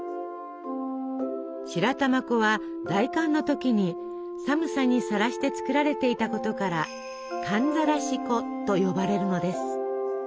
白玉粉は大寒の時に寒さにさらして作られていたことから「寒ざらし粉」と呼ばれるのです。